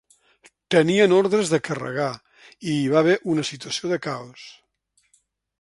Tenien ordres de carregar i hi va haver una situació de caos.